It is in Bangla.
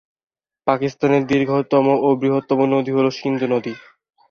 পাকিস্তানের দীর্ঘতম ও বৃহত্তম নদী হল সিন্ধু নদী।